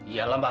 iya lah mba